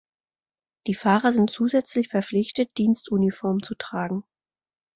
Die Fahrer sind zusätzlich verpflichtet Dienstuniform zu tragen.